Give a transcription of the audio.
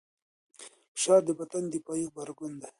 فشار د بدن دفاعي غبرګون دی.